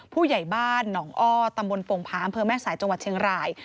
ผู้ใหญ่บ้านหนองอ้อตำบลโป่งผาอำเภอแม่สายจังหวัดเชียงราย